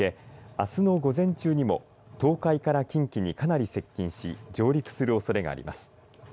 あすの午前中にも東海から近畿にかなり接近し上陸するおそれがあります。